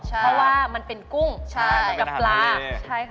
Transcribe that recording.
เพราะว่ามันเป็นกุ้งกับปลาใช่มันเป็นหั่นทะเล